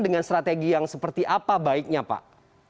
dengan strategi yang seperti apa baiknya pak